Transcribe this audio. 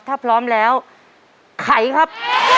ถ้าพร้อมแล้วไขครับ